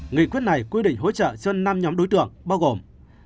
nghị quyết này quy định hỗ trợ cho năm nhóm đối tượng bao gồm